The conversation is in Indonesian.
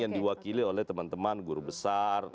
yang diwakili oleh teman teman guru besar